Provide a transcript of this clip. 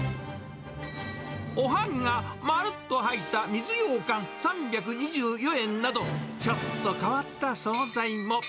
おはぎがまるっと入った水ようかん３２４円など、ちょっと変わった総菜も。